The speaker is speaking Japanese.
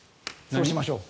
そうしましょう。